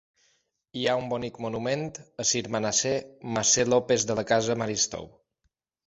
Hi ha un bonic monument a Sir Manasseh Masseh Lopes de la casa Maristow.